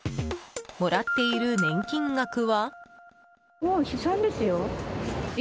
もらっている年金額は。